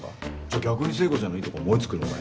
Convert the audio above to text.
逆に聖子ちゃんのいいとこ思い付くのかよ。